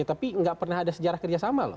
tapi nggak pernah ada sejarah kerjasama loh